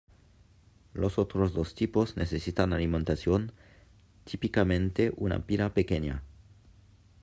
Los otros dos tipos necesitan alimentación, típicamente una pila pequeña.